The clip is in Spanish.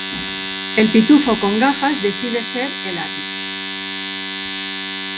El Pitufo con Gafas decide ser el árbitro.